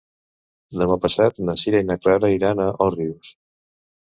Demà passat na Sira i na Clara iran a Òrrius.